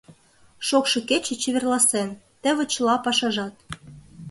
Шокшо кече чеверласен — теве чыла пашажат.